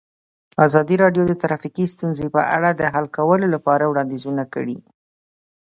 ازادي راډیو د ټرافیکي ستونزې په اړه د حل کولو لپاره وړاندیزونه کړي.